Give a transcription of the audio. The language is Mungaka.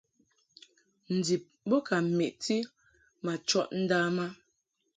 Ndib bo ka meʼti ma chɔʼ ndam a.